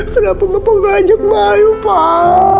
kenapa bapak gak ajak baru pak